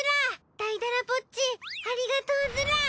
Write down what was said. だいだらぼっちありがとうズラ。